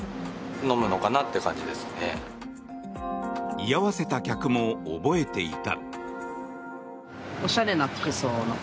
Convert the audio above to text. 居合わせた客も覚えていた。